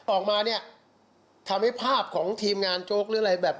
ออกมาเนี่ยทำให้ภาพของทีมงานโจ๊กหรืออะไรแบบ